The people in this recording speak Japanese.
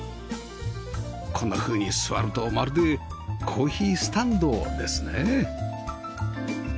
こんなふうに座るとまるでコーヒースタンドですね